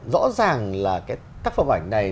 rõ ràng là cái tác phẩm ảnh này